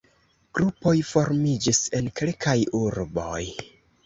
Grupoj formiĝis en kelkaj urboj.